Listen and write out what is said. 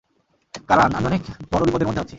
কারান, আমি অনেক বড় বিপদের মধ্যে আছি।